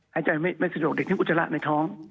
หายใจไม่สะดวกเด็กให้อุจจาระในท้อง